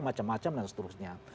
macam macam dan seterusnya